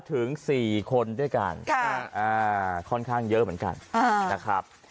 ถึงสี่คนด้วยกันค่ะอ่าค่อนข้างเยอะเหมือนกันอ่านะครับ